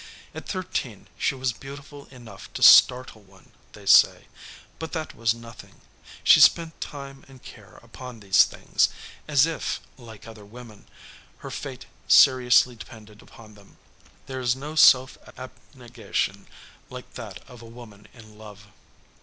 At thirteen she was beautiful enough to startle one, they say, but that was nothing; she spent time and care upon these things, as if, like other women, her fate seriously depended upon them. There is no self abnegation like that of a woman in love.